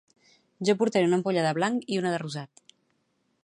Jo portaré una ampolla de blanc i una de rosat